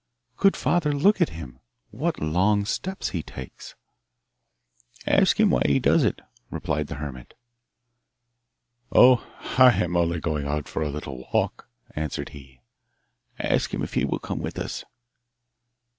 'Good father, look at him! What long steps he takes!' 'Ask him why he does it,' replied the hermit. 'Oh, I am only going out for a little walk,' answered he. 'Ask him if he will come with us.